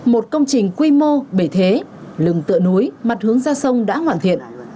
một công trình quy mô bể thế lừng tựa núi mặt hướng ra sông đã hoàn thiện